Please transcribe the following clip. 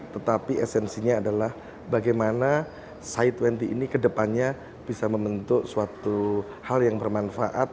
tetapi esensinya adalah bagaimana cy dua puluh ini kedepannya bisa membentuk suatu hal yang bermanfaat